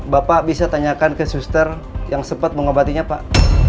bapak bisa tanyakan ke suster yang sempat mengobatinya pak